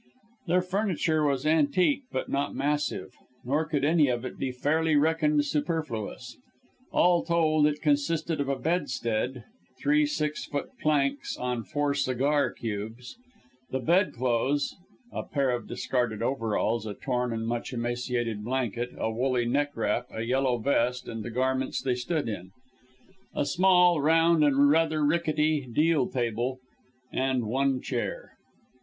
Their furniture was antique but not massive; nor could any of it be fairly reckoned superfluous. All told, it consisted of a bedstead (three six foot planks on four sugar cubes; the bedclothes a pair of discarded overalls, a torn and much emaciated blanket, a woolly neck wrap, a yellow vest, and the garments they stood in); a small round and rather rickety deal table; and one chair.